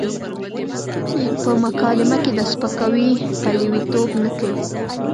په مکالمه کې د سپکاوي پلويتوب نه کوي.